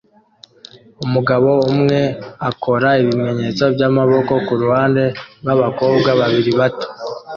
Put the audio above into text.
Umugabo umwe akora ibimenyetso byamaboko kuruhande rwabakobwa babiri bato